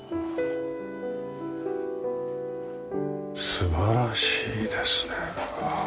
素晴らしいですね中。